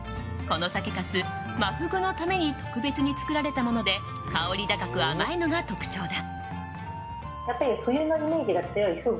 この酒かす、真フグのために特別に作られたもので香り高く甘いのが特徴だ。